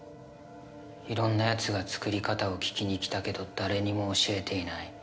いろんなやつが作り方を聞きに来たけど誰にも教えていない。